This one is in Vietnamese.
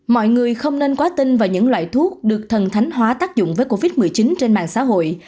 mọi người không nên quá tin vào những loại thuốc được thần thánh hóa tác dụng với covid một mươi chín trên mạng xã hội